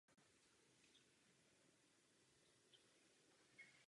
Na festivalu měl i krátký proslov k publiku.